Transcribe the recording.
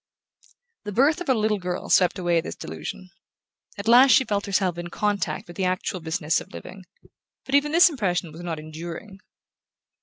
The birth of her little girl swept away this delusion. At last she felt herself in contact with the actual business of living: but even this impression was not enduring.